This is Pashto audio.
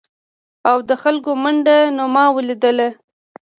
او د خلکو منډه نو ما ولیدله ؟